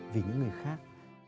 vì những người khác